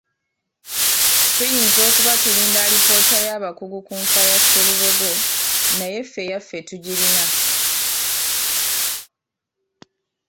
Tuyinza kuba tulinda alipoota y’abakugu ku nfa ya Sserubogo naye ffe eyaffe tugirina.